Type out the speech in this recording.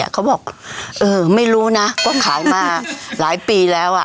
เขาบอกไม่รู้นะว่าขายมาหลายปีแล้ว